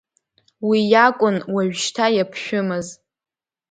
Уи иакәын уажәшьҭа иаԥшәымаз.